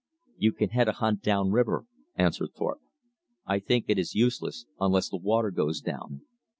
"You can head a hunt down the river," answered Thorpe. "I think it is useless until the water goes down.